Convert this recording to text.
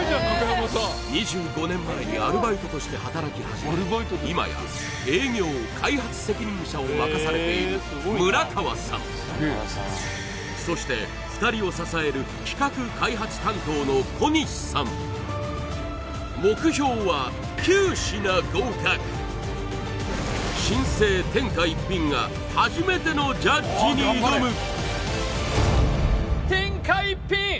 ２５年前にアルバイトとして働き始め今や営業・開発責任者を任されている村河さんそして２人を支える企画・開発担当の小西さん新生天下一品が初めてのジャッジに挑む天下一品！